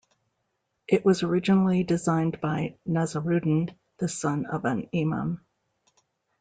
It was originally designed by Nazaruddin, the son of an imam.